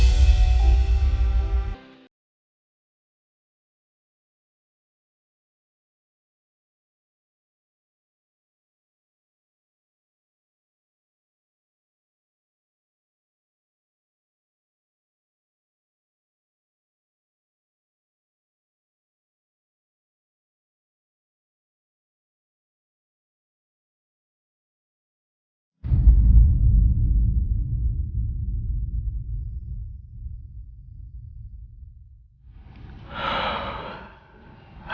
agar rena selalu menghabis